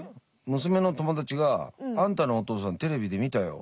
娘の友達が「あんたのお父さんテレビで見たよ」。